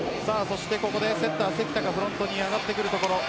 セッター関田がフロントに上がってくるところです。